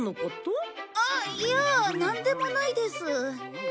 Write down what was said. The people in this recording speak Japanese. あっいやなんでもないです。